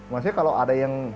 maksudnya kalau ada yang